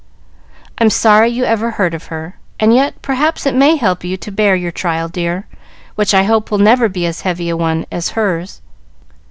"I'm sorry you ever heard of her, and yet perhaps it may help you to bear your trial, dear, which I hope will never be as heavy a one as hers.